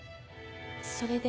それで。